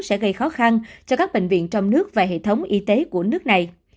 sẽ gây khó khăn cho các bệnh viện trong nước và hệ thống y tế của nước này